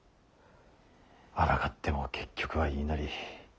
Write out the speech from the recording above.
あらがっても結局は言いなり。